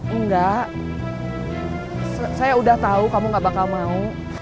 enggak saya udah tahu kamu gak bakal mau